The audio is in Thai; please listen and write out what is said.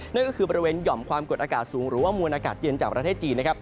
นั่นก็คือบริเวณหย่อมความกดอากาศสูงหรือว่ามวลอากาศเย็นจากประเทศจีนนะครับ